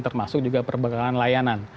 termasuk juga perbekalannya layanan